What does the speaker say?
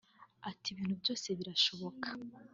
Ati “Ibintu byose birashoboka